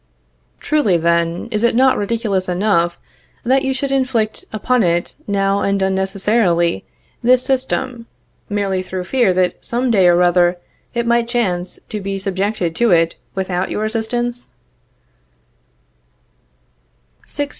Truly, then, is it not ridiculous enough that you should inflict upon it now, and unnecessarily, this system, merely through fear that some day or other it might chance to be subjected to it without your assistance?